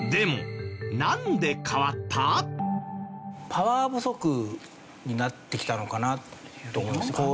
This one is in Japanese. パワー不足になってきたのかなと思います。